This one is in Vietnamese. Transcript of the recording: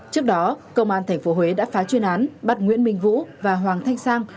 trước đó công an tp huế đã phá chuyên án bắt nguyễn minh vũ và hoàng thanh sang